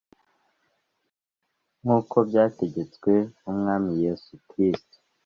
nk uko byategetswe n umwami Yesu Kristo